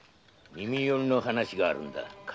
耳寄りの話があるんだ頭。